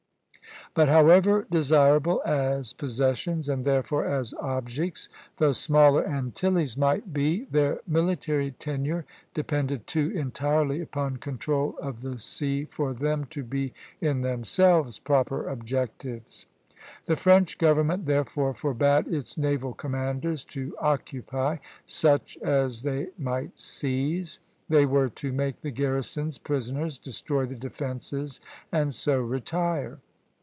But however desirable as possessions, and therefore as objects, the smaller Antilles might be, their military tenure depended too entirely upon control of the sea for them to be in themselves proper objectives. The French government, therefore, forbade its naval commanders to occupy such as they might seize. They were to make the garrisons prisoners, destroy the defences, and so retire.